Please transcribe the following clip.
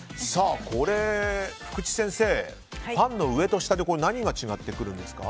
福地先生、パンの上と下で何が違ってくるんですか？